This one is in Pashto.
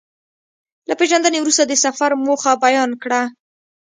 له پېژندنې وروسته د سفر موخه بيان کړه.